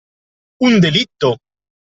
Un delitto!